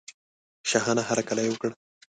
شاهانه هرکلی وکړ.